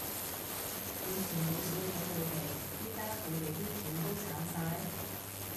以前好少睇佢哋，而家佢哋啲片都剷晒？